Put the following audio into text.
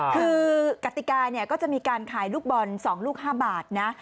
คือกติกาเนี่ยก็จะมีการขายลูกบอล๒ลูก๕บาทนะ